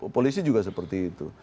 polisi juga seperti itu